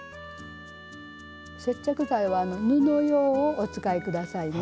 接着剤は布用をお使い下さいね。